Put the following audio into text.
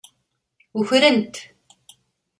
Ukren-t.